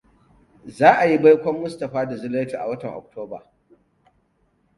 Za a yi baikon Mustapha da Zulaitu a watan Oktoba.